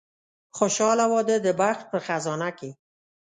خوشاله واده د بخت په خزانه کې.